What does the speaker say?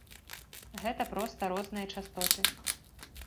Гэта проста розныя частоты.